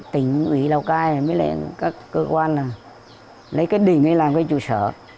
tỉnh ủy lào cát mới lấy các cơ quan lấy cái đỉnh để làm cái chủ sở